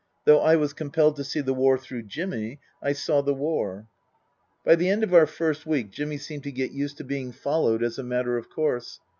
Though I was compelled to see the war through Jimmy, I saw the war. By the end of our first week Jimmy seemed to get used to being followed as a matter of course.